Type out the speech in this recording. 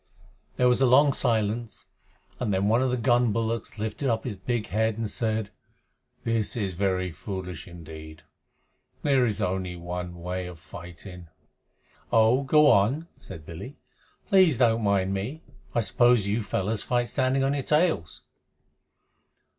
There was a long silence, and then one of the gun bullocks lifted up his big head and said, "This is very foolish indeed. There is only one way of fighting." "Oh, go on," said Billy. "Please don't mind me. I suppose you fellows fight standing on your tails?"